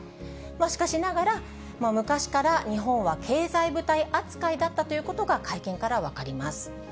しかしながら、昔から日本は経済部隊扱いだったということが会見から分かります。